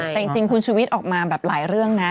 แต่จริงคุณชุวิตออกมาแบบหลายเรื่องนะ